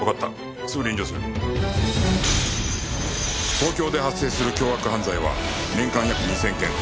東京で発生する凶悪犯罪は年間約２０００件